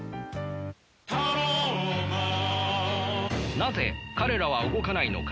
なぜ彼らは動かないのか。